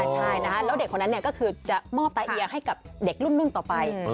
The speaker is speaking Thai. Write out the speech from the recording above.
ใช่นะคะแล้วเด็กคนนั้นก็คือจะมอบตาเอียให้กับเด็กรุ่นต่อไป